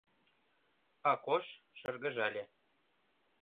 Акош шыргыжале.